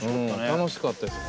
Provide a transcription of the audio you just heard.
楽しかったです